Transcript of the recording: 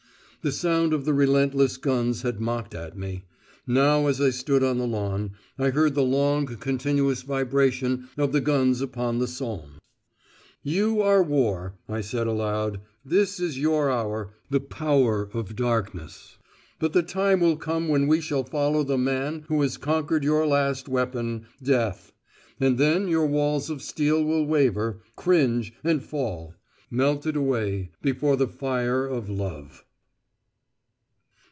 The sound of the relentless guns had mocked at me. Now as I stood on the lawn, I heard the long continuous vibration of the guns upon the Somme. "You are War," I said aloud. "This is your hour, the power of darkness. But the time will come when we shall follow the Man who has conquered your last weapon, death: and then your walls of steel will waver, cringe, and fall, melted away before the fire of LOVE."